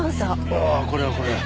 ああこれはこれは。